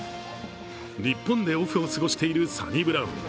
日本でオフを過ごしているサニブラウン。